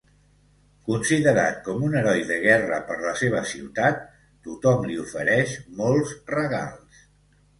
Considerat com un heroi de guerra per la seva ciutat, tothom li ofereix molts regals.